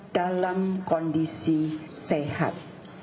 dalam kondisi sehat